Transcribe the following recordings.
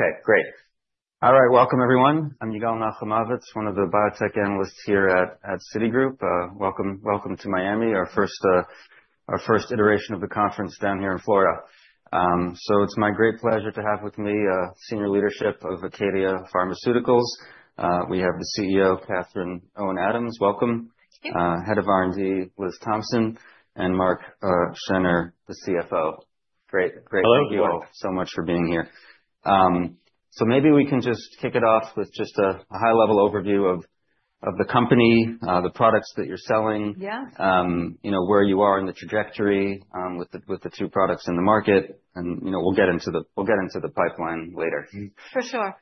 Okay, great. All right, welcome everyone. I'm Yigal Nochomovitz, one of the biotech analysts here at Citigroup. Welcome to Miami, our first iteration of the conference down here in Florida. So it's my great pleasure to have with me senior leadership of Acadia Pharmaceuticals. We have the CEO, Catherine Owen Adams, welcome. Thank you. Head of R&D, Liz Thompson, and Mark Schneyer, the CFO. Great, great. Hello. Thank you all so much for being here. So maybe we can just kick it off with just a high-level overview of the company, the products that you're selling, where you are in the trajectory with the two products in the market. And we'll get into the pipeline later. For sure.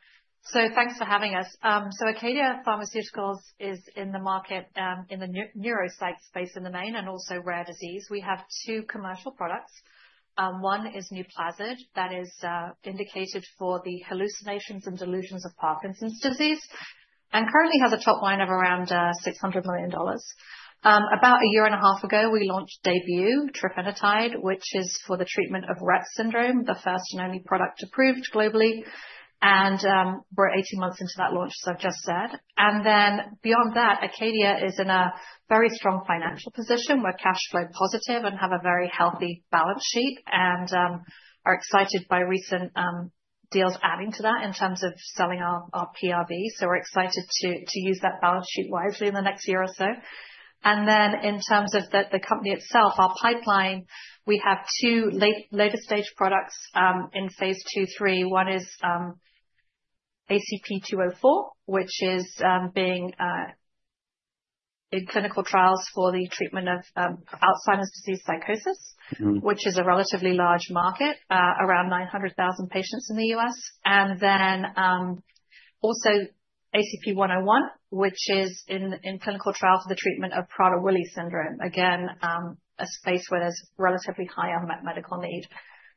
So thanks for having us. So Acadia Pharmaceuticals is in the market in the neuropsych space in the main and also rare disease. We have two commercial products. One is Nuplazid that is indicated for the hallucinations and delusions of Parkinson's disease and currently has a top line of around $600 million. About a year and a half ago, we launched Daybue, trofinetide, which is for the treatment of Rett syndrome, the first and only product approved globally. And we're 18 months into that launch, as I've just said. And then beyond that, Acadia is in a very strong financial position. We're cash flow positive and have a very healthy balance sheet and are excited by recent deals adding to that in terms of selling our PRV. So we're excited to use that balance sheet wisely in the next year or so. And then in terms of the company itself, our pipeline, we have two later stage products in phase two, three. One is ACP-204, which is being in clinical trials for the treatment of Alzheimer’s disease psychosis, which is a relatively large market, around 900,000 patients in the U.S. And then also ACP-101, which is in clinical trials for the treatment of Prader-Willi syndrome, again, a space where there's relatively high medical need.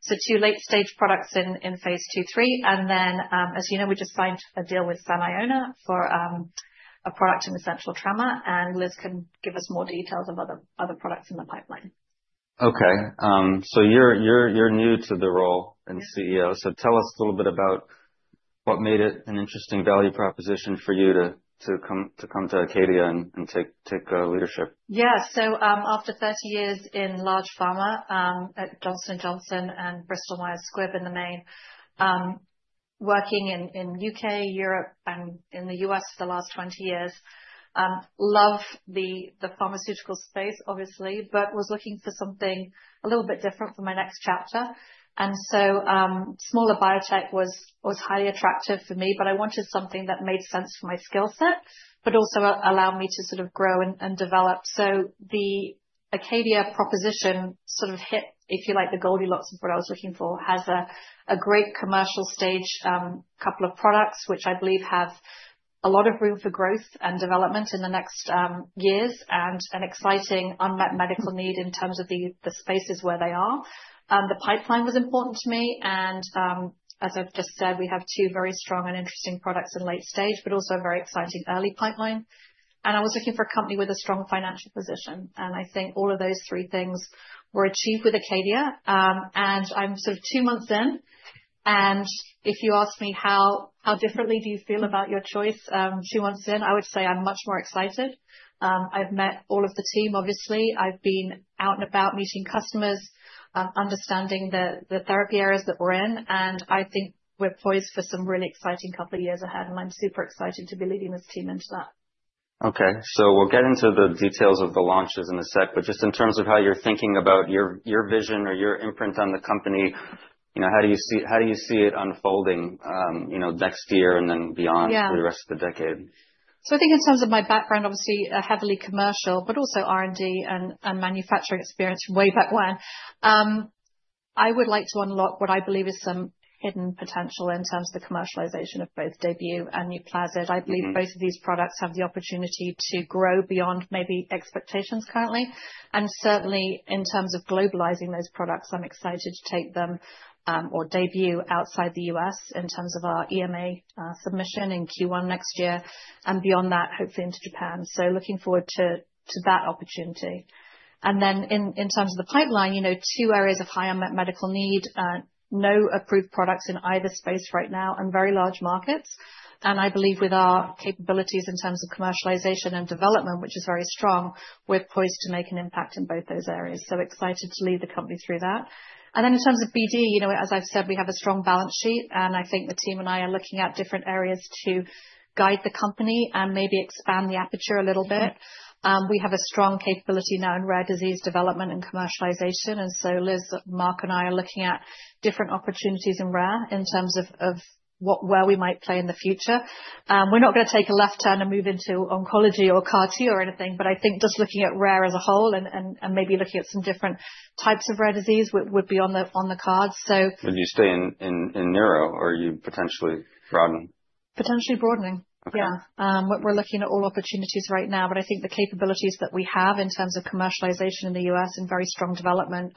So two late stage products in phase two, three. And then, as you know, we just signed a deal with Saniona for a product in essential tremor. And Liz can give us more details of other products in the pipeline. Okay. So you're new to the role as CEO. So tell us a little bit about what made it an interesting value proposition for you to come to Acadia and take leadership. Yeah. So after 30 years in large pharma at Johnson & Johnson and Bristol Myers Squibb in the main, working in the U.K., Europe, and in the U.S. for the last 20 years, love the pharmaceutical space, obviously, but was looking for something a little bit different for my next chapter. And so smaller biotech was highly attractive for me, but I wanted something that made sense for my skill set, but also allowed me to sort of grow and develop. So the Acadia proposition sort of hit, if you like, the Goldilocks of what I was looking for. Has a great commercial stage, a couple of products, which I believe have a lot of room for growth and development in the next years and an exciting unmet medical need in terms of the spaces where they are. The pipeline was important to me. And as I've just said, we have two very strong and interesting products in late stage, but also a very exciting early pipeline. And I was looking for a company with a strong financial position. And I think all of those three things were achieved with ACADIA. And I'm sort of two months in. And if you ask me how differently do you feel about your choice two months in, I would say I'm much more excited. I've met all of the team, obviously. I've been out and about meeting customers, understanding the therapy areas that we're in. And I think we're poised for some really exciting couple of years ahead. And I'm super excited to be leading this team into that. Okay. So we'll get into the details of the launches in a sec, but just in terms of how you're thinking about your vision or your imprint on the company, how do you see it unfolding next year and then beyond for the rest of the decade? So I think in terms of my background, obviously heavily commercial, but also R&D and manufacturing experience way back when, I would like to unlock what I believe is some hidden potential in terms of the commercialization of both Daybue and Nuplazid. I believe both of these products have the opportunity to grow beyond maybe expectations currently. And certainly in terms of globalizing those products, I'm excited to take them or Daybue outside the U.S. in terms of our EMA submission in Q1 next year and beyond that, hopefully into Japan. So looking forward to that opportunity. And then in terms of the pipeline, two areas of high unmet medical need, no approved products in either space right now and very large markets. And I believe with our capabilities in terms of commercialization and development, which is very strong, we're poised to make an impact in both those areas. So excited to lead the company through that. And then in terms of BD, as I've said, we have a strong balance sheet. And I think the team and I are looking at different areas to guide the company and maybe expand the aperture a little bit. We have a strong capability now in rare disease development and commercialization. And so Liz, Mark and I are looking at different opportunities in rare in terms of where we might play in the future. We're not going to take a left turn and move into oncology or CAR T or anything, but I think just looking at rare as a whole and maybe looking at some different types of rare disease would be on the cards. So. Would you stay in neuro or are you potentially broadening? Potentially broadening. Yeah. We're looking at all opportunities right now, but I think the capabilities that we have in terms of commercialization in the U.S. and very strong development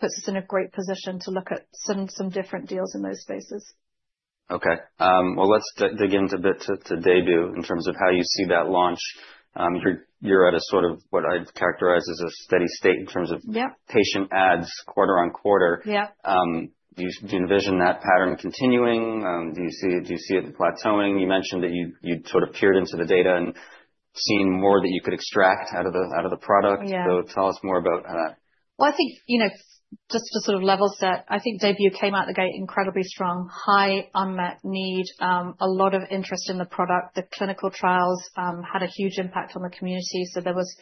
puts us in a great position to look at some different deals in those spaces. Okay. Well, let's dig into a bit to Daybue in terms of how you see that launch. You're at a sort of what I'd characterize as a steady state in terms of patient adds quarter on quarter. Do you envision that pattern continuing? Do you see it plateauing? You mentioned that you'd sort of peered into the data and seen more that you could extract out of the product. So tell us more about that. I think just to sort of level set, I think Daybue came out of the gate incredibly strong, high unmet need, a lot of interest in the product. The clinical trials had a huge impact on the community. There was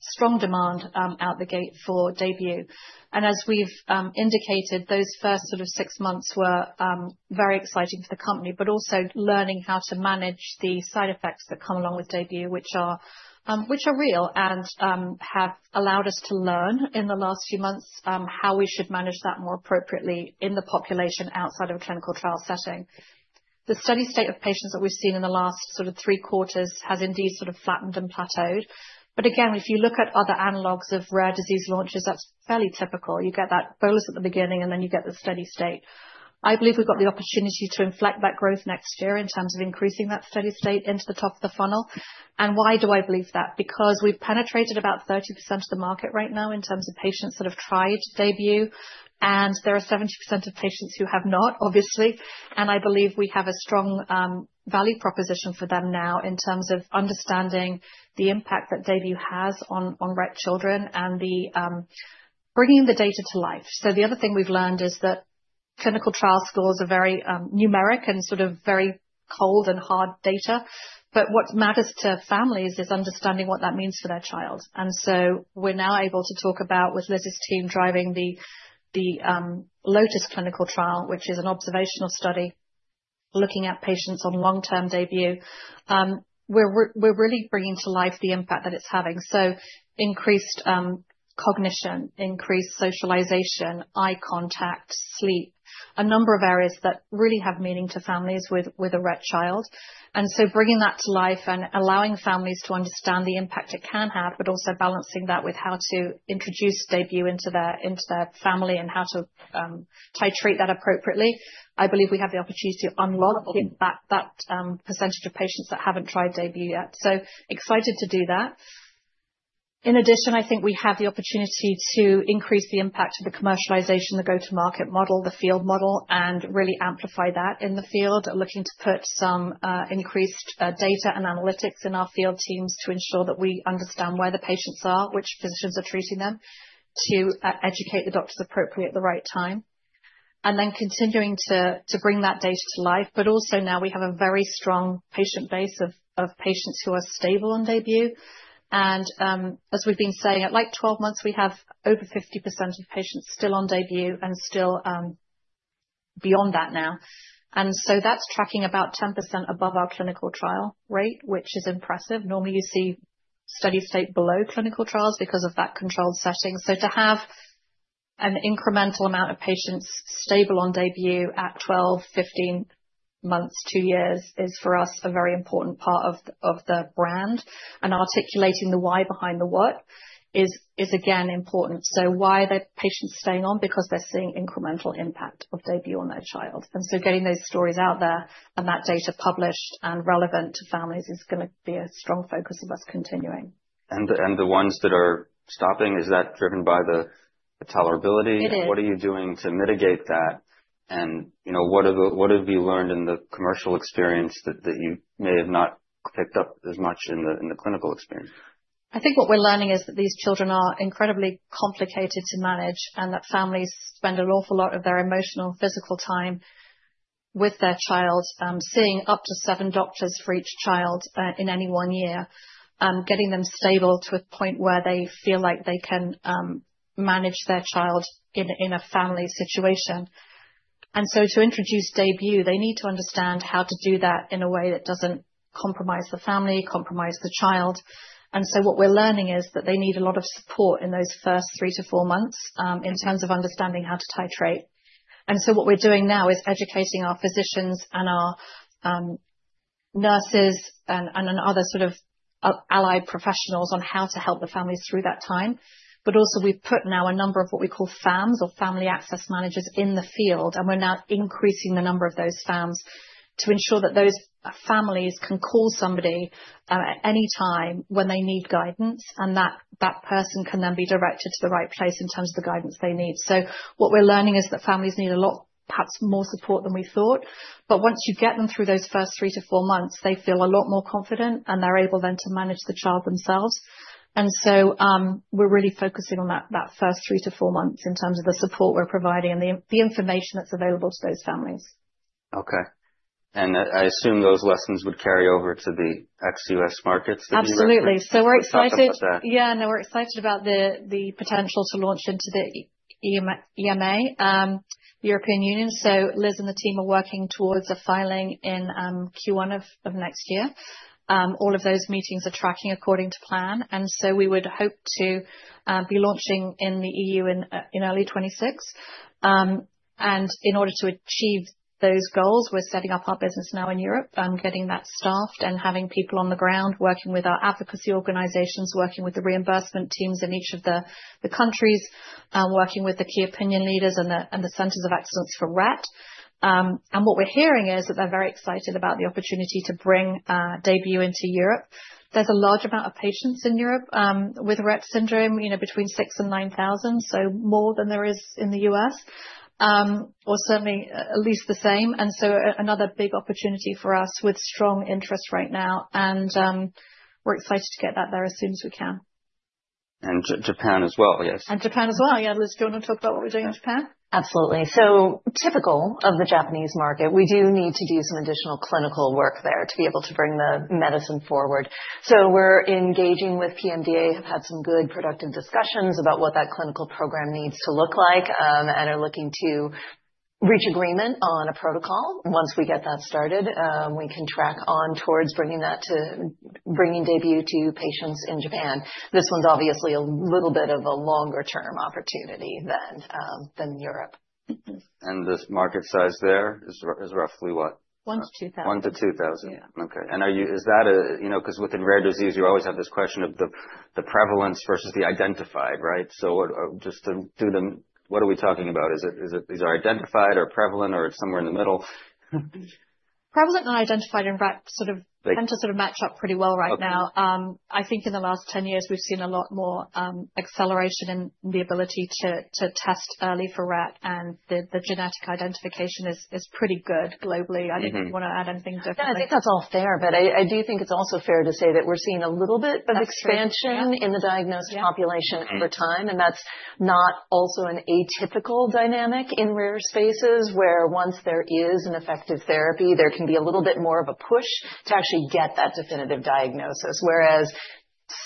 strong demand out the gate for Daybue. As we've indicated, those first sort of six months were very exciting for the company, but also learning how to manage the side effects that come along with Daybue, which are real and have allowed us to learn in the last few months how we should manage that more appropriately in the population outside of a clinical trial setting. The steady state of patients that we've seen in the last sort of three quarters has indeed sort of flattened and plateaued. Again, if you look at other analogs of rare disease launches, that's fairly typical. You get that bolus at the beginning and then you get the steady state. I believe we've got the opportunity to inflect that growth next year in terms of increasing that steady state into the top of the funnel. And why do I believe that? Because we've penetrated about 30% of the market right now in terms of patients that have tried Daybue. And there are 70% of patients who have not, obviously. And I believe we have a strong value proposition for them now in terms of understanding the impact that Daybue has on Rett children and bringing the data to life. So the other thing we've learned is that clinical trial scores are very numeric and sort of very cold and hard data. But what matters to families is understanding what that means for their child. And so we're now able to talk about, with Liz's team driving the LOTUS clinical trial, which is an observational study looking at patients on long-term Daybue, we're really bringing to life the impact that it's having. So increased cognition, increased socialization, eye contact, sleep, a number of areas that really have meaning to families with a Rett child. And so bringing that to life and allowing families to understand the impact it can have, but also balancing that with how to introduce Daybue into their family and how to titrate that appropriately. I believe we have the opportunity to unlock that percentage of patients that haven't tried Daybue yet. So excited to do that. In addition, I think we have the opportunity to increase the impact of the commercialization, the go-to-market model, the field model, and really amplify that in the field, looking to put some increased data and analytics in our field teams to ensure that we understand where the patients are, which physicians are treating them, to educate the doctors appropriate at the right time. And then continuing to bring that data to life, but also now we have a very strong patient base of patients who are stable on Daybue. And as we've been saying, at like 12 months, we have over 50% of patients still on Daybue and still beyond that now. And so that's tracking about 10% above our clinical trial rate, which is impressive. Normally, you see steady state below clinical trials because of that controlled setting. To have an incremental amount of patients stable on Daybue at 12, 15 months, two years is for us a very important part of the brand. Articulating the why behind the work is, again, important. Why are the patients staying on? Because they're seeing incremental impact of Daybue on their child. Getting those stories out there and that data published and relevant to families is going to be a strong focus of us continuing. And the ones that are stopping, is that driven by the tolerability? It is. What are you doing to mitigate that? And what have you learned in the commercial experience that you may have not picked up as much in the clinical experience? I think what we're learning is that these children are incredibly complicated to manage and that families spend an awful lot of their emotional and physical time with their child, seeing up to seven doctors for each child in any one year, getting them stable to a point where they feel like they can manage their child in a family situation, and so to introduce Daybue, they need to understand how to do that in a way that doesn't compromise the family, compromise the child, and so what we're learning is that they need a lot of support in those first three-to-four months in terms of understanding how to titrate, and so what we're doing now is educating our physicians and our nurses and other sort of allied professionals on how to help the families through that time. But also we've put now a number of what we call FAMs or family access managers in the field. And we're now increasing the number of those FAMs to ensure that those families can call somebody at any time when they need guidance and that person can then be directed to the right place in terms of the guidance they need. So what we're learning is that families need a lot, perhaps more support than we thought. But once you get them through those first three to four months, they feel a lot more confident and they're able then to manage the child themselves. And so we're really focusing on that first three to four months in terms of the support we're providing and the information that's available to those families. Okay. And I assume those lessons would carry over to the ex-US markets that you have. Absolutely. So we're excited. Talk about that. Yeah, no, we're excited about the potential to launch into the EMA European Union. So Liz and the team are working towards a filing in Q1 of next year. All of those meetings are tracking according to plan. We would hope to be launching in the EU in early 2026. In order to achieve those goals, we're setting up our business now in Europe, getting that staffed and having people on the ground, working with our advocacy organizations, working with the reimbursement teams in each of the countries, working with the key opinion leaders and the centers of excellence for Rett. What we're hearing is that they're very excited about the opportunity to bring Daybue into Europe. There's a large amount of patients in Europe with Rett syndrome, between six and nine thousand, so more than there is in the U.S., or certainly at least the same, and so another big opportunity for us with strong interest right now, and we're excited to get that there as soon as we can. And Japan as well, yes. And Japan as well. Yeah, Liz, do you want to talk about what we're doing in Japan? Absolutely. So typical of the Japanese market, we do need to do some additional clinical work there to be able to bring the medicine forward. So we're engaging with PMDA, have had some good productive discussions about what that clinical program needs to look like, and are looking to reach agreement on a protocol. Once we get that started, we can track on towards bringing Daybue to patients in Japan. This one's obviously a little bit of a longer-term opportunity than Europe. The market size there is roughly what? 1 to 2,000. one to 2,000. Okay. And is that because within rare disease, you always have this question of the prevalence versus the identified, right? So just to do them, what are we talking about? Is it identified or prevalent or it's somewhere in the middle? Prevalent and identified in Rett sort of tend to sort of match up pretty well right now. I think in the last 10 years, we've seen a lot more acceleration in the ability to test early for Rett, and the genetic identification is pretty good globally. I didn't want to add anything different. Yeah, I think that's all fair, but I do think it's also fair to say that we're seeing a little bit of expansion in the diagnosed population over time. And that's not also an atypical dynamic in rare spaces where once there is an effective therapy, there can be a little bit more of a push to actually get that definitive diagnosis, whereas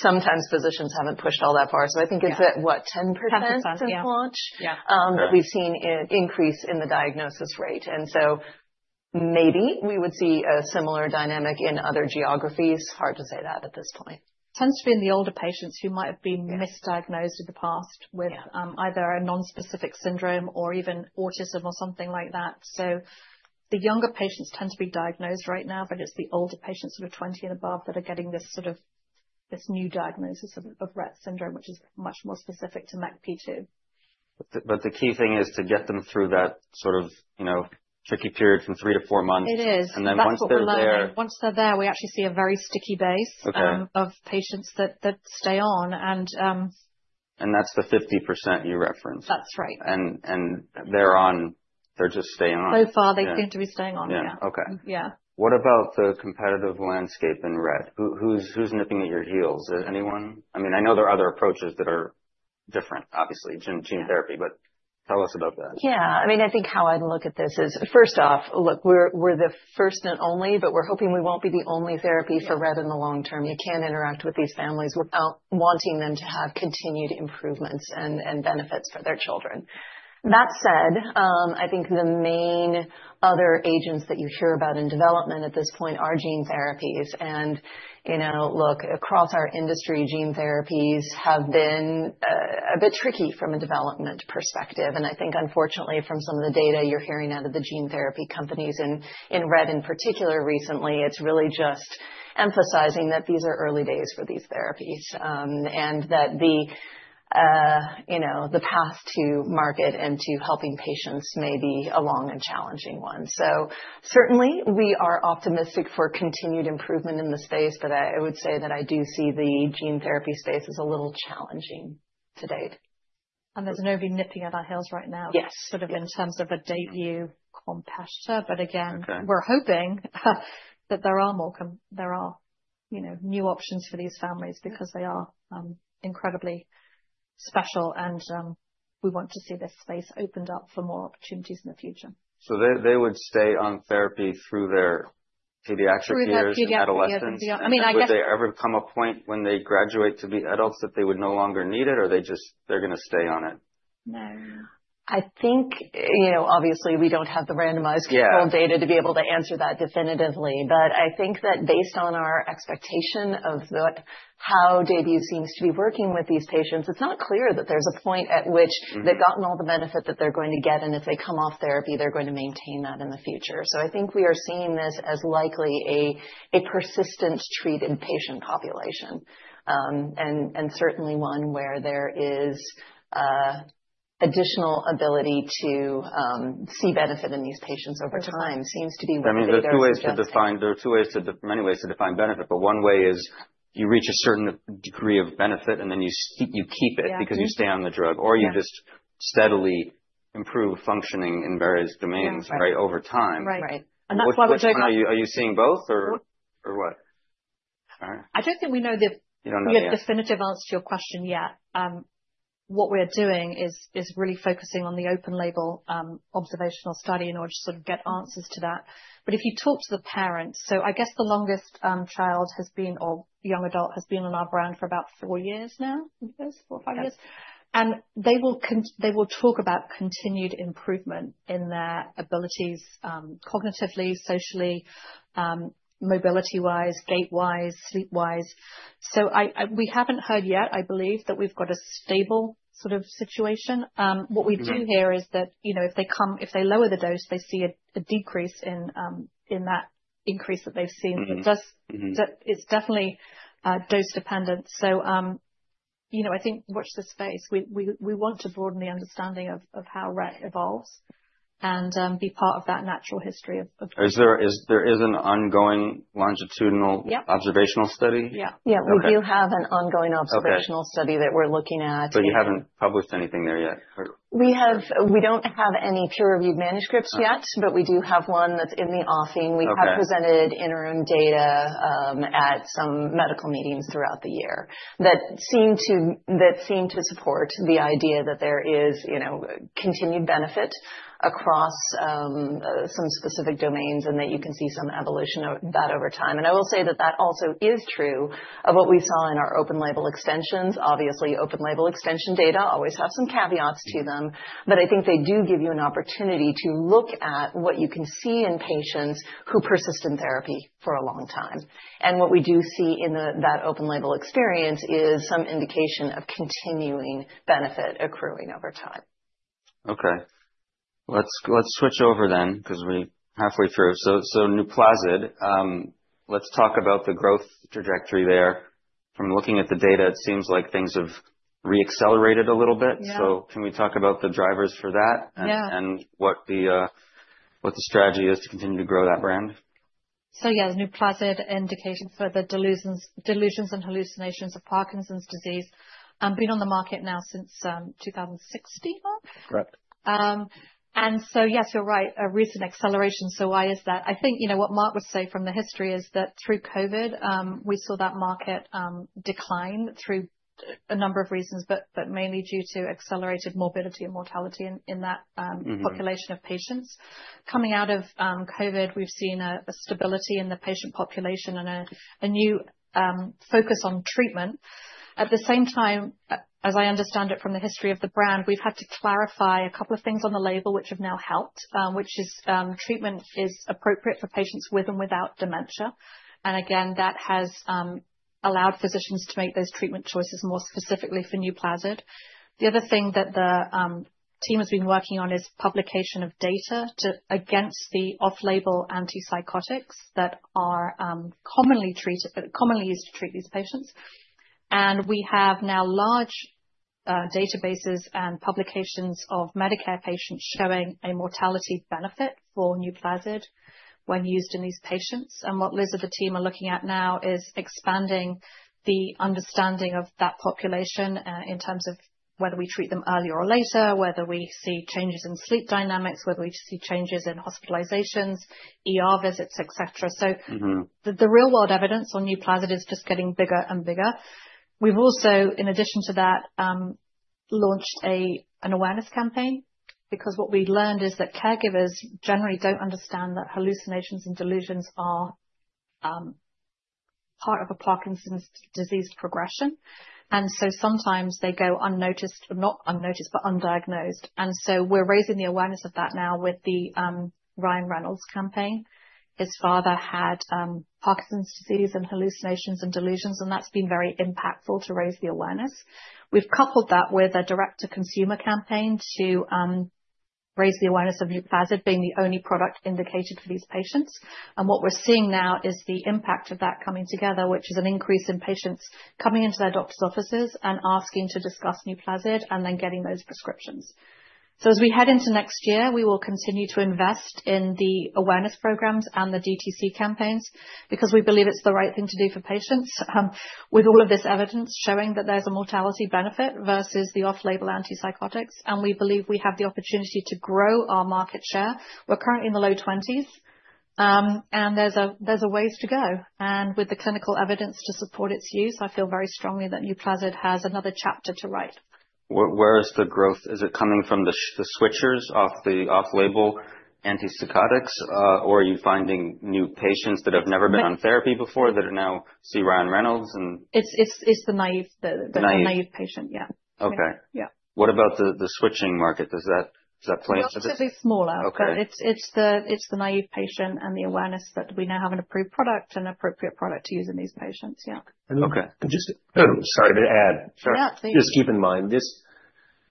sometimes physicians haven't pushed all that far. So I think it's at what, 10% since launch? 10%. Yeah. But we've seen an increase in the diagnosis rate. And so maybe we would see a similar dynamic in other geographies. Hard to say that at this point. Tends to be in the older patients who might have been misdiagnosed in the past with either a non-specific syndrome or even autism or something like that. So the younger patients tend to be diagnosed right now, but it's the older patients sort of 20 and above that are getting this sort of new diagnosis of Rett syndrome, which is much more specific to MECP2. But the key thing is to get them through that sort of tricky period from three to four months. It is. And then once they're there. Once they're there, we actually see a very sticky base of patients that stay on and. And that's the 50% you referenced. That's right. They're on, they're just staying on. So far they seem to be staying on. Yeah. Yeah. Okay. Yeah. What about the competitive landscape in Rett? Who's nipping at your heels? Anyone? I mean, I know there are other approaches that are different, obviously, gene therapy, but tell us about that. Yeah. I mean, I think how I'd look at this is, first off, look, we're the first and only, but we're hoping we won't be the only therapy for Rett in the long term. You can't interact with these families without wanting them to have continued improvements and benefits for their children. That said, I think the main other agents that you hear about in development at this point are gene therapies. And look, across our industry, gene therapies have been a bit tricky from a development perspective. And I think, unfortunately, from some of the data you're hearing out of the gene therapy companies in Rett in particular recently, it's really just emphasizing that these are early days for these therapies and that the path to market and to helping patients may be a long and challenging one. Certainly, we are optimistic for continued improvement in the space, but I would say that I do see the gene therapy space as a little challenging to date. There's nobody nipping at our heels right now. Yes. Sort of in terms of a Daybue competitor. But again, we're hoping that there are more new options for these families because they are incredibly special, and we want to see this space opened up for more opportunities in the future. So they would stay on therapy through their pediatric years, adolescence? Through their pediatric years. Would there ever come a point when they graduate to be adults that they would no longer need it, or they just, they're going to stay on it? No. I think, obviously, we don't have the randomized control data to be able to answer that definitively. But I think that based on our expectation of how Daybue seems to be working with these patients, it's not clear that there's a point at which they've gotten all the benefit that they're going to get, and if they come off therapy, they're going to maintain that in the future. So I think we are seeing this as likely a persistent treated patient population. And certainly one where there is additional ability to see benefit in these patients over time seems to be what we're looking for. I mean, there are two ways, many ways to define benefit, but one way is you reach a certain degree of benefit and then you keep it because you stay on the drug, or you just steadily improve functioning in various domains, right, over time. Right. Right. That's why we're talking about, are you seeing both or what? I don't think we know the definitive answer to your question yet. What we're doing is really focusing on the open label observational study in order to sort of get answers to that. But if you talk to the parents, so I guess the longest child has been, or young adult has been on our brand for about four years now, four or five years. And they will talk about continued improvement in their abilities cognitively, socially, mobility-wise, gait-wise, sleep-wise. So we haven't heard yet, I believe, that we've got a stable sort of situation. What we do hear is that if they lower the dose, they see a decrease in that increase that they've seen. It's definitely dose dependent. So I think watch this space. We want to broaden the understanding of how Rett evolves and be part of that natural history of. There is an ongoing longitudinal observational study? Yeah. Yeah. We do have an ongoing observational study that we're looking at. But you haven't published anything there yet? We don't have any peer-reviewed manuscripts yet, but we do have one that's in the offing. We have presented interim data at some medical meetings throughout the year that seem to support the idea that there is continued benefit across some specific domains and that you can see some evolution of that over time. And I will say that that also is true of what we saw in our open label extensions. Obviously, open label extension data always have some caveats to them, but I think they do give you an opportunity to look at what you can see in patients who persist in therapy for a long time. And what we do see in that open label experience is some indication of continuing benefit accruing over time. Okay. Let's switch over then because we're halfway through. So NUPLAZID, let's talk about the growth trajectory there. From looking at the data, it seems like things have re-accelerated a little bit. So can we talk about the drivers for that and what the strategy is to continue to grow that brand? So yeah, Nuplazid indication for the delusions and hallucinations of Parkinson's disease. Been on the market now since 2016. Correct. And so yes, you're right, a recent acceleration. So why is that? I think what Mark would say from the history is that through COVID, we saw that market decline through a number of reasons, but mainly due to accelerated morbidity and mortality in that population of patients. Coming out of COVID, we've seen a stability in the patient population and a new focus on treatment. At the same time, as I understand it from the history of the brand, we've had to clarify a couple of things on the label, which have now helped, which is treatment is appropriate for patients with and without dementia. And again, that has allowed physicians to make those treatment choices more specifically for Nuplazid. The other thing that the team has been working on is publication of data against the off-label antipsychotics that are commonly used to treat these patients. We have now large databases and publications of Medicare patients showing a mortality benefit for Nuplazid when used in these patients. What Liz and the team are looking at now is expanding the understanding of that population in terms of whether we treat them earlier or later, whether we see changes in sleep dynamics, whether we see changes in hospitalizations, visits, etc. The real-world evidence on Nuplazid is just getting bigger and bigger. We have also, in addition to that, launched an awareness campaign because what we learned is that caregivers generally don't understand that hallucinations and delusions are part of a Parkinson's disease progression. Sometimes they go unnoticed, not unnoticed, but undiagnosed. We are raising the awareness of that now with the Ryan Reynolds campaign. His father had Parkinson's disease and hallucinations and delusions, and that has been very impactful to raise the awareness. We've coupled that with a direct-to-consumer campaign to raise the awareness of Nuplazid being the only product indicated for these patients, and what we're seeing now is the impact of that coming together, which is an increase in patients coming into their doctor's offices and asking to discuss Nuplazid and then getting those prescriptions, so as we head into next year, we will continue to invest in the awareness programs and the DTC campaigns because we believe it's the right thing to do for patients with all of this evidence showing that there's a mortality benefit versus the off-label antipsychotics, and we believe we have the opportunity to grow our market share. We're currently in the low 20s, and there's a ways to go, and with the clinical evidence to support its use, I feel very strongly that Nuplazid has another chapter to write. Where is the growth? Is it coming from the switchers off the off-label antipsychotics, or are you finding new patients that have never been on therapy before that now see Ryan Reynolds and? It's the naive patient, yeah. Okay. What about the switching market? Does that play into this? It's obviously smaller. It's the naive patient and the awareness that we now have an approved product and appropriate product to use in these patients. Yeah. Okay. Sorry to add. Just keep in mind,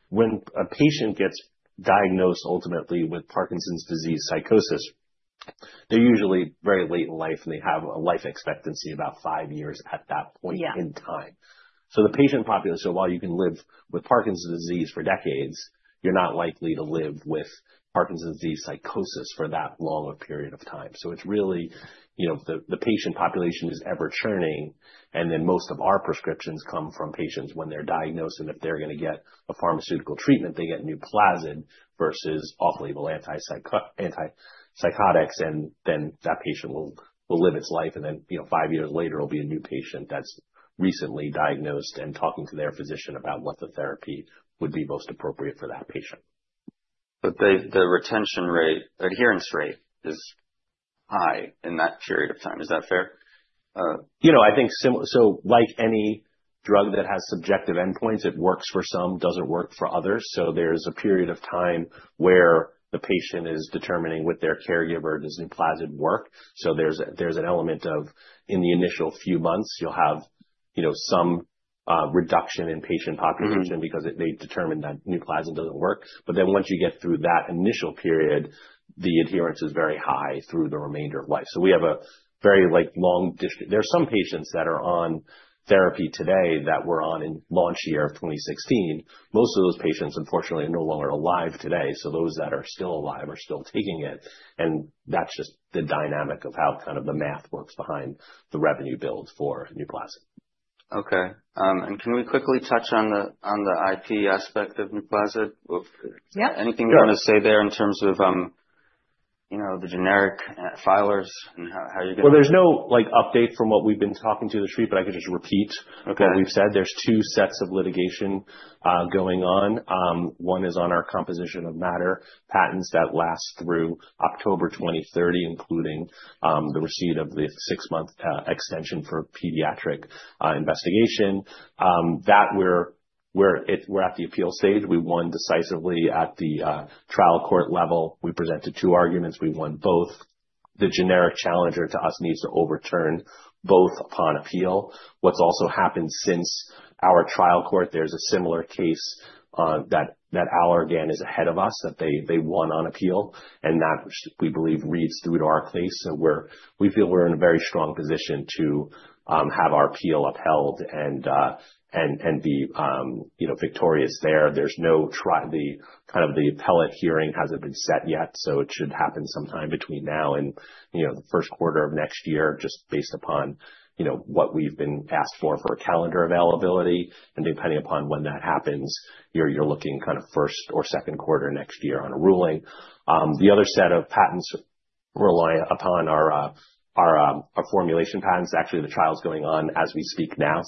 when a patient gets diagnosed ultimately with Parkinson's disease psychosis, they're usually very late in life, and they have a life expectancy of about five years at that point in time. So the patient population, while you can live with Parkinson's disease for decades, you're not likely to live with Parkinson's disease psychosis for that long a period of time. So it's really the patient population is ever-churning, and then most of our prescriptions come from patients when they're diagnosed, and if they're going to get a pharmaceutical treatment, they get Nuplazid versus off-label antipsychotics, and then that patient will live its life, and then five years later, it'll be a new patient that's recently diagnosed and talking to their physician about what the therapy would be most appropriate for that patient. But the retention rate, adherence rate is high in that period of time. Is that fair? I think, so like any drug that has subjective endpoints, it works for some, doesn't work for others. So there's a period of time where the patient is determining with their caregiver, does Nuplazid work? So there's an element of, in the initial few months, you'll have some reduction in patient population because they determine that Nuplazid doesn't work. But then once you get through that initial period, the adherence is very high through the remainder of life. So we have a very long distance. There are some patients that are on therapy today that were on in launch year of 2016. Most of those patients, unfortunately, are no longer alive today. So those that are still alive are still taking it. And that's just the dynamic of how kind of the math works behind the revenue build for Nuplazid. Okay, and can we quickly touch on the IP aspect of Nuplazid? Anything you want to say there in terms of the generic filers and how you're going to? There's no update from what we've been talking to the street, but I could just repeat what we've said. There's two sets of litigation going on. One is on our composition of matter patents that last through October 2030, including the receipt of the six-month extension for pediatric investigation. That's where we're at the appeal stage. We won decisively at the trial court level. We presented two arguments. We won both. The generic challenger to us needs to overturn both upon appeal. What's also happened since our trial court win, there's a similar case that Allergan is ahead of us that they won on appeal. And that, we believe, reads through to our case. We feel we're in a very strong position to have our appeal upheld and be victorious there. There's no trial. The appellate hearing hasn't been set yet. It should happen sometime between now and the first quarter of next year, just based upon what we've been asked for, for calendar availability. Depending upon when that happens, you're looking kind of first or second quarter next year on a ruling. The other set of patents rely upon our formulation patents. Actually, the trial's going on as we speak now.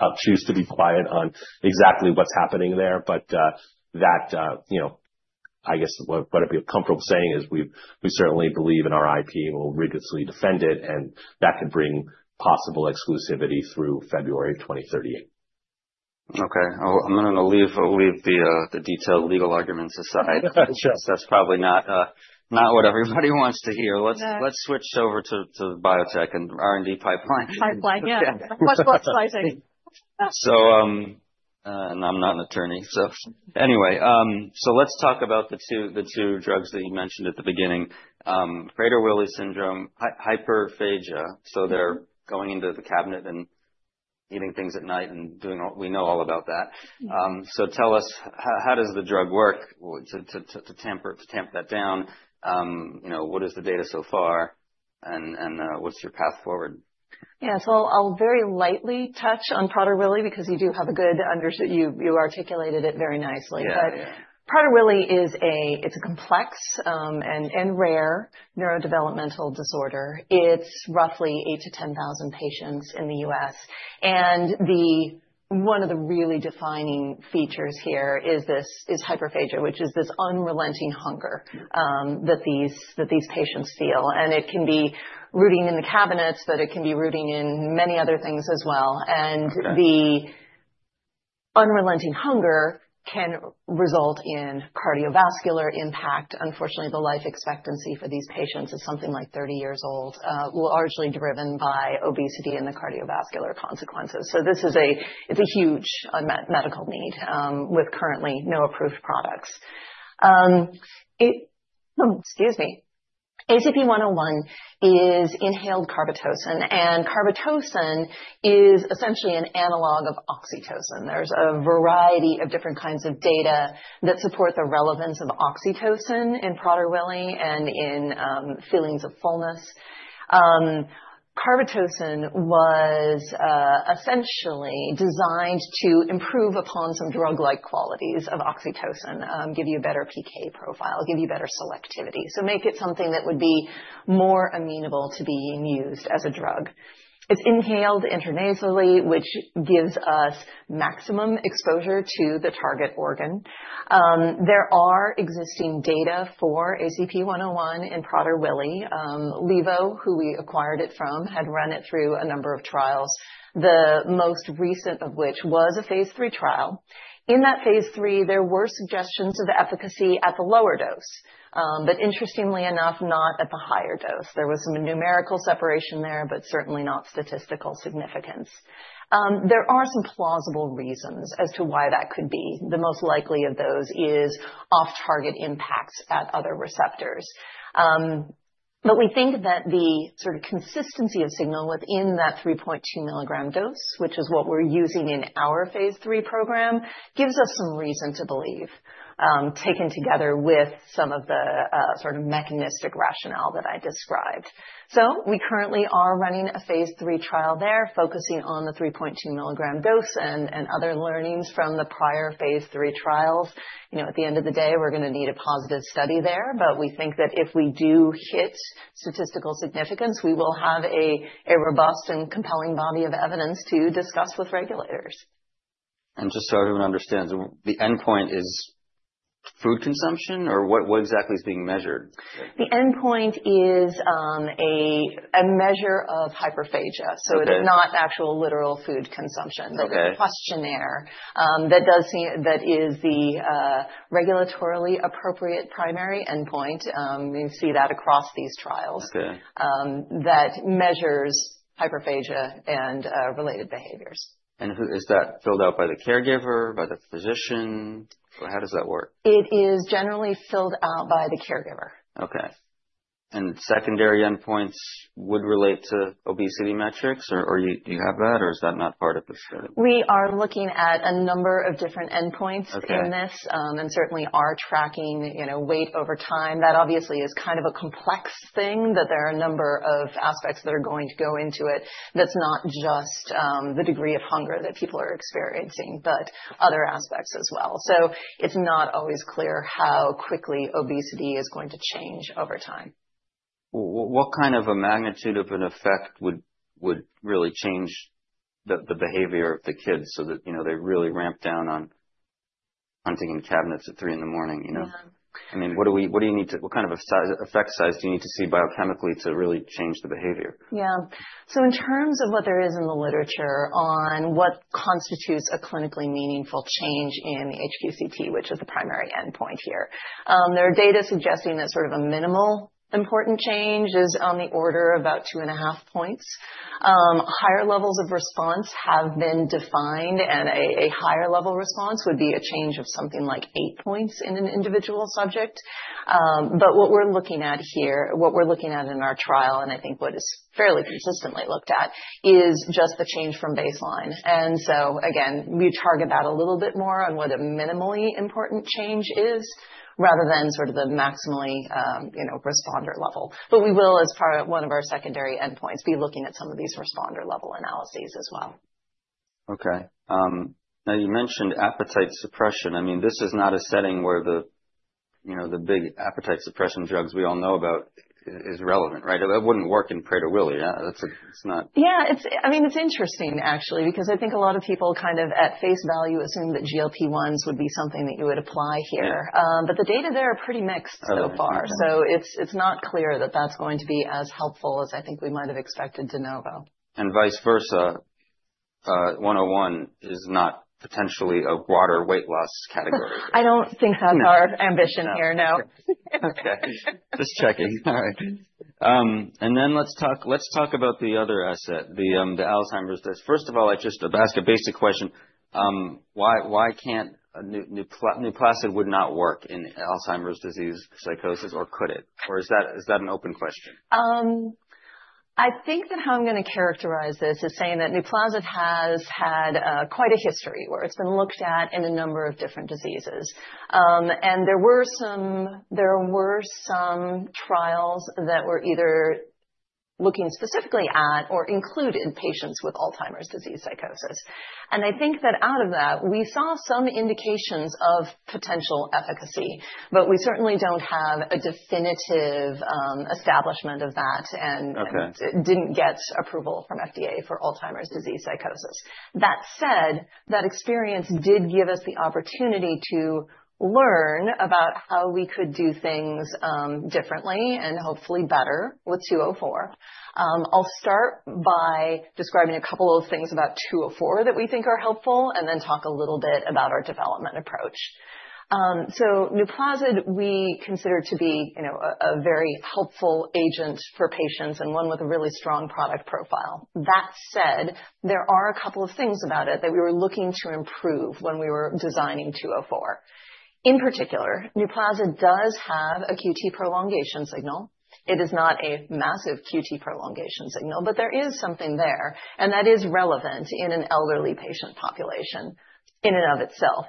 I'll choose to be quiet on exactly what's happening there. But that, I guess, what I'd be comfortable saying is we certainly believe in our IP and will rigorously defend it. And that could bring possible exclusivity through February of 2038. Okay. I'm going to leave the detailed legal arguments aside. That's probably not what everybody wants to hear. Let's switch over to biotech and R&D pipeline. Pipeline, yeah. Much less exciting. I'm not an attorney. So anyway, so let's talk about the two drugs that you mentioned at the beginning: Prader-Willi syndrome, hyperphagia. So they're going into the cabinet and eating things at night and doing all we know all about that. So tell us, how does the drug work to tamp that down? What is the data so far? And what's your path forward? Yeah. So I'll very lightly touch on Prader-Willi because you do have a good understanding. You articulated it very nicely. But Prader-Willi is a complex and rare neurodevelopmental disorder. It's roughly 8,000-10,000 patients in the U.S. And one of the really defining features here is hyperphagia, which is this unrelenting hunger that these patients feel. And it can be rooting in the cabinets, but it can be rooting in many other things as well. And the unrelenting hunger can result in cardiovascular impact. Unfortunately, the life expectancy for these patients is something like 30 years old, largely driven by obesity and the cardiovascular consequences. So this is a huge medical need with currently no approved products. Excuse me. ACP-101 is inhaled carbetocin. And carbetocin is essentially an analog of oxytocin. There's a variety of different kinds of data that support the relevance of oxytocin in Prader-Willi and in feelings of fullness. Carbetocin was essentially designed to improve upon some drug-like qualities of oxytocin, give you a better PK profile, give you better selectivity, so make it something that would be more amenable to being used as a drug. It's inhaled intranasally, which gives us maximum exposure to the target organ. There are existing data for ACP-101 in Prader-Willi. Levo, who we acquired it from, had run it through a number of trials, the most recent of which was a phase 3 trial. In that phase 3, there were suggestions of efficacy at the lower dose, but interestingly enough, not at the higher dose. There was some numerical separation there, but certainly not statistical significance. There are some plausible reasons as to why that could be. The most likely of those is off-target impacts at other receptors, but we think that the sort of consistency of signal within that 3.2 milligram dose, which is what we're using in our phase three program, gives us some reason to believe, taken together with some of the sort of mechanistic rationale that I described, so we currently are running a phase three trial there, focusing on the 3.2 milligram dose and other learnings from the prior phase three trials. At the end of the day, we're going to need a positive study there, but we think that if we do hit statistical significance, we will have a robust and compelling body of evidence to discuss with regulators. Just so everyone understands, the endpoint is food consumption or what exactly is being measured? The endpoint is a measure of hyperphagia. So it is not actual literal food consumption. There's a questionnaire that is the regulatorily appropriate primary endpoint. You see that across these trials that measures hyperphagia and related behaviors. Is that filled out by the caregiver, by the physician? How does that work? It is generally filled out by the caregiver. Okay. And secondary endpoints would relate to obesity metrics? Or do you have that, or is that not part of this? We are looking at a number of different endpoints in this, and certainly are tracking weight over time. That obviously is kind of a complex thing that there are a number of aspects that are going to go into it that's not just the degree of hunger that people are experiencing, but other aspects as well, so it's not always clear how quickly obesity is going to change over time. What kind of a magnitude of an effect would really change the behavior of the kids so that they really ramp down on hunting in cabinets at 3:00 A.M.? I mean, what kind of effect size do you need to see biochemically to really change the behavior? Yeah. So in terms of what there is in the literature on what constitutes a clinically meaningful change in the HQCT, which is the primary endpoint here, there are data suggesting that sort of a minimal important change is on the order of about two and a half points. Higher levels of response have been defined, and a higher level response would be a change of something like eight points in an individual subject. But what we're looking at here, what we're looking at in our trial, and I think what is fairly consistently looked at, is just the change from baseline. And so again, we target that a little bit more on what a minimally important change is rather than sort of the maximally responder level. But we will, as part of one of our secondary endpoints, be looking at some of these responder level analyses as well. Okay. Now, you mentioned appetite suppression. I mean, this is not a setting where the big appetite suppression drugs we all know about is relevant, right? It wouldn't work in Prader-Willi. That's not. Yeah. I mean, it's interesting, actually, because I think a lot of people kind of at face value assume that GLP-1s would be something that you would apply here. But the data there are pretty mixed so far. So it's not clear that that's going to be as helpful as I think we might have expected to know, though. And vice versa, 101 is not potentially a broader weight loss category. I don't think that's our ambition here, no. Okay. Just checking. All right. And then let's talk about the other asset, the Alzheimer’s disease. First of all, I just ask a basic question. Why can't Nuplazid not work in Alzheimer’s disease psychosis, or could it? Or is that an open question? I think that how I'm going to characterize this is saying that Nuplazid has had quite a history where it's been looked at in a number of different diseases, and there were some trials that were either looking specifically at or included patients with Alzheimer's disease psychosis, and I think that out of that, we saw some indications of potential efficacy, but we certainly don't have a definitive establishment of that, and it didn't get approval from FDA for Alzheimer's disease psychosis. That said, that experience did give us the opportunity to learn about how we could do things differently and hopefully better with 204. I'll start by describing a couple of things about 204 that we think are helpful, and then talk a little bit about our development approach, so Nuplazid, we consider to be a very helpful agent for patients and one with a really strong product profile. That said, there are a couple of things about it that we were looking to improve when we were designing 204. In particular, Nuplazid does have a QT prolongation signal. It is not a massive QT prolongation signal, but there is something there. And that is relevant in an elderly patient population in and of itself.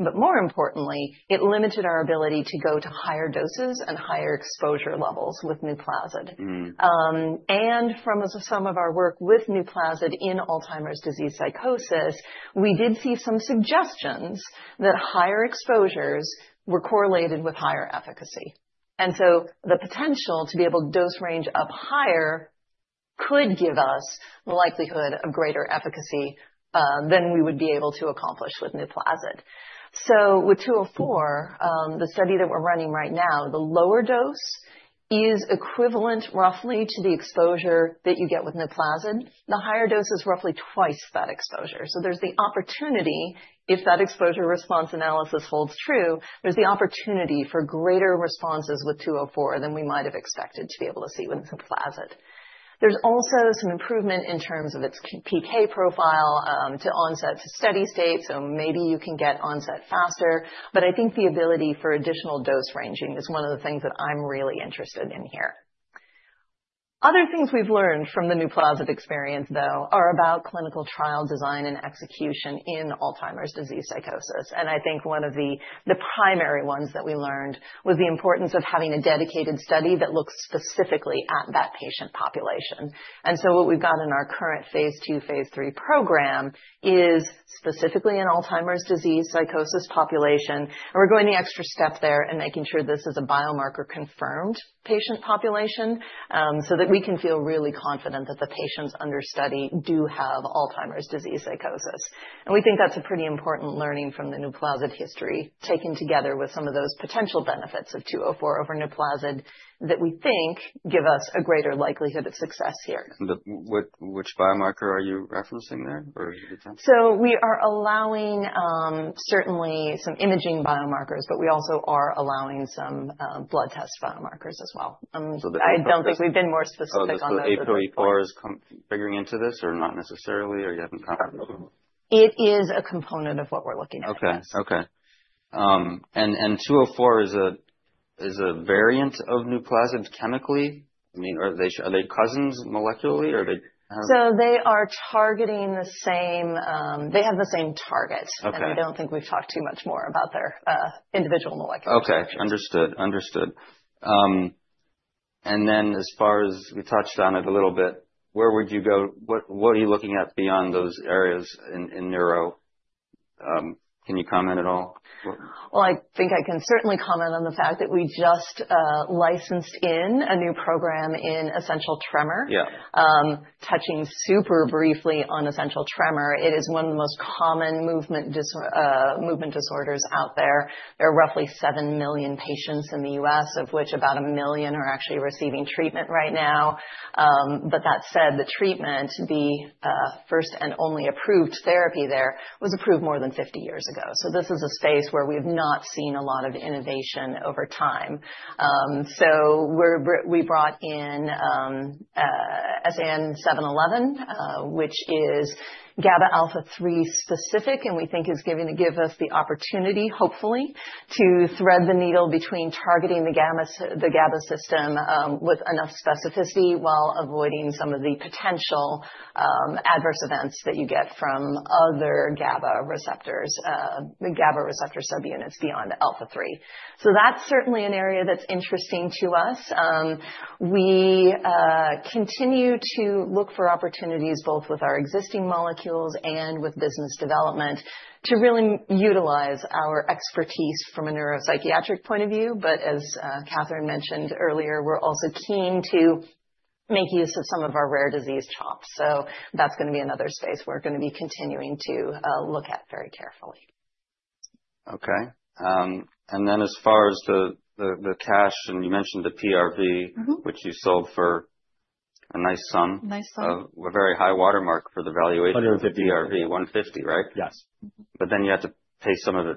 But more importantly, it limited our ability to go to higher doses and higher exposure levels with Nuplazid. And from some of our work with Nuplazid in Alzheimer’s disease psychosis, we did see some suggestions that higher exposures were correlated with higher efficacy. And so the potential to be able to dose range up higher could give us the likelihood of greater efficacy than we would be able to accomplish with Nuplazid. So with 204, the study that we're running right now, the lower dose is equivalent roughly to the exposure that you get with Nuplazid. The higher dose is roughly twice that exposure. So there's the opportunity, if that exposure response analysis holds true, there's the opportunity for greater responses with 204 than we might have expected to be able to see with Nuplazid. There's also some improvement in terms of its PK profile to onset to steady state. So maybe you can get onset faster. But I think the ability for additional dose ranging is one of the things that I'm really interested in here. Other things we've learned from the Nuplazid experience, though, are about clinical trial design and execution in Alzheimer's disease psychosis. I think one of the primary ones that we learned was the importance of having a dedicated study that looks specifically at that patient population. So what we've got in our current phase 2, phase 3 program is specifically an Alzheimer's disease psychosis population. We're going the extra step there and making sure this is a biomarker-confirmed patient population so that we can feel really confident that the patients under study do have Alzheimer's disease psychosis. We think that's a pretty important learning from the Nuplazid history taken together with some of those potential benefits of 204 over Nuplazid that we think give us a greater likelihood of success here. Which biomarker are you referencing there? Or is it the test? We are allowing certainly some imaging biomarkers, but we also are allowing some blood test biomarkers as well. I don't think we've been more specific on those yet. So APOE4 is figuring into this or not necessarily? Or you haven't? It is a component of what we're looking at. Okay. And 204 is a variant of Nuplazid chemically? I mean, are they cousins molecularly? Or are they? So they are targeting the same. They have the same target. And I don't think we've talked too much more about their individual molecular features. Okay. Understood. Understood, and then as far as we touched on it a little bit, where would you go? What are you looking at beyond those areas in neuro? Can you comment at all? I think I can certainly comment on the fact that we just licensed in a new program in essential tremor. Touching super briefly on essential tremor, it is one of the most common movement disorders out there. There are roughly seven million patients in the U.S., of which about a million are actually receiving treatment right now. But that said, the treatment, the first and only approved therapy there, was approved more than 50 years ago. This is a space where we've not seen a lot of innovation over time. We brought in SAN711, which is GABA alpha 3 specific, and we think is going to give us the opportunity, hopefully, to thread the needle between targeting the GABA system with enough specificity while avoiding some of the potential adverse events that you get from other GABA receptors, the GABA receptor subunits beyond alpha 3. So that's certainly an area that's interesting to us. We continue to look for opportunities both with our existing molecules and with business development to really utilize our expertise from a neuropsychiatric point of view. But as Catherine mentioned earlier, we're also keen to make use of some of our rare disease chops. So that's going to be another space we're going to be continuing to look at very carefully. Okay. And then as far as the cash, and you mentioned the PRV, which you sold for a nice sum. Nice sum. A very high watermark for the valuation. 150. PRV, 150, right? Yes. But then you have to pay some of it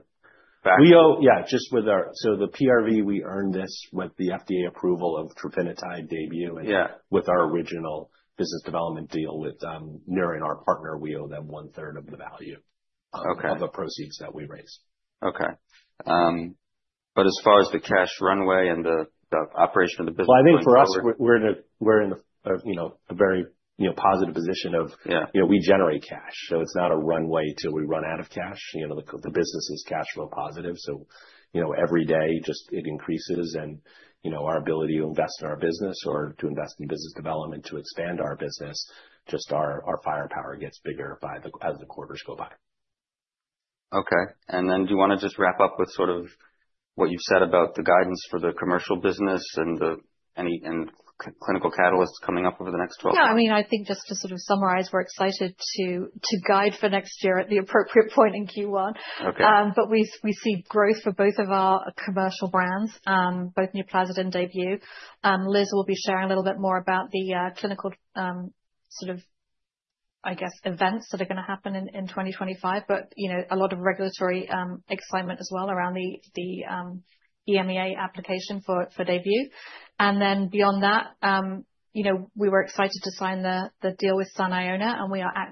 back. Yeah, just with our, so the PRV, we earned this with the FDA approval of trofinetide Daybue and with our original business development deal with Neuren, our partner, we owe them one-third of the value of the proceeds that we raise. Okay, but as far as the cash runway and the operation of the business. I think for us, we're in a very positive position of we generate cash, so it's not a runway till we run out of cash. The business is cash flow positive, so every day, just it increases, and our ability to invest in our business or to invest in business development to expand our business, just our firepower gets bigger as the quarters go by. Okay. And then do you want to just wrap up with sort of what you've said about the guidance for the commercial business and clinical catalysts coming up over the next 12 months? Yeah. I mean, I think just to sort of summarize, we're excited to guide for next year at the appropriate point in Q1. But we see growth for both of our commercial brands, both Nuplazid and Daybue. Liz will be sharing a little bit more about the clinical sort of, I guess, events that are going to happen in 2025, but a lot of regulatory excitement as well around the EMA application for Daybue. And then beyond that, we were excited to sign the deal with Saniona, and we are.